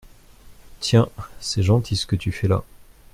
Tiens, c’est gentil, ce que tu fais là.